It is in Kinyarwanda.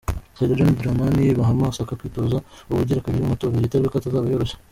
Prezida John Dramani Mahama asaka kwitoza ubugira kabiri, mu matora vyitezwe ko atazoba yoroshe.